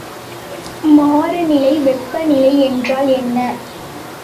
மாறுநிலை வெப்பநிலை என்றால் என்ன?